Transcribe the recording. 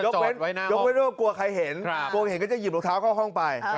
ยกเว้นว่ากลัวใครเห็นกลัวเห็นก็จะหยิบรองเท้าเข้าห้องไป